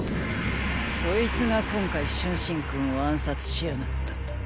そいつが今回春申君を暗殺しやがった。